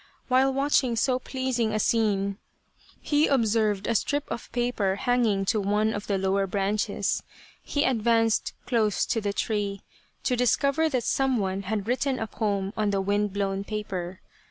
While watching so pleasing a scene he observed a strip of paper hanging to one of the lower branches. He advanced close to the tree to discover that some one had written a poem on the wind blown paper.